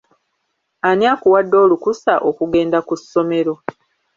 Ani akuwadde olukusa okugenda ku ssomero?